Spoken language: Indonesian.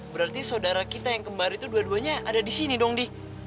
berarti saudara kita yang kemarin itu dua duanya ada di sini dong di